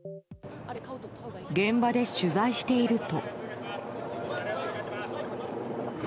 現場で取材していると。